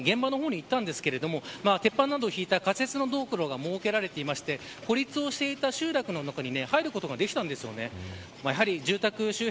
朝６時ぐらいに現場の方に来ましたが鉄板などを敷いた仮設の道路が設けられていて孤立していた集落の中に入ることができました。